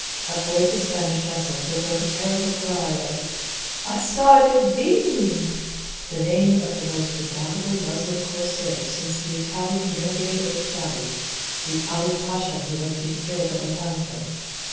Aboard the Spanish vessel there broke a terrible cry of "Asad ed Din"—the name of the most redoubtable Muslim corsair since the Italian renegade Ochiali—the Ali Pasha who had been killed at Lepanto.